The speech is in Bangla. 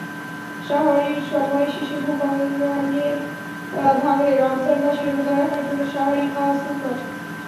সাহরির সময় শেষে ঘুম ভাঙলেরমজান মাসে রোজা রাখার জন্য সাহরি খাওয়া সুন্নত।